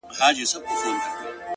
بدل کړيدی؛